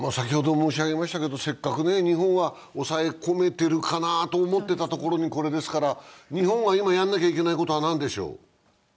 せっかく日本は抑え込めているかなと思っていたところにこれですから、日本は今やらなきゃいけないことは何でしょう？